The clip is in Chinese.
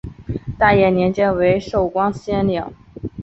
大业年间为寿光县令。